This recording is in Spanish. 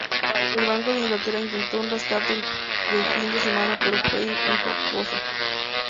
El Banco de Inglaterra intentó un rescate de fin de semana pero fue infructuoso.